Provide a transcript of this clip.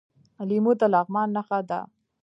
لیمو د لغمان نښه ده.